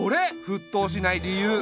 沸騰しない理由。